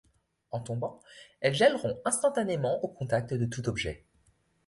En tombant, elles gèleront instantanément au contact de tout objet.